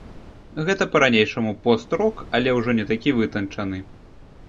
Гэта па-ранейшаму пост-рок, але, ўжо не такі вытанчаны.